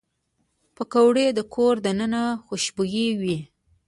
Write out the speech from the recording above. پکورې د کور دننه خوشبويي وي